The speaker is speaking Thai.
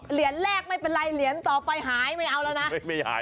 เหรียญแรกไม่เป็นไรเหรียญต่อไปหายไม่เอาแล้วนะไม่หาย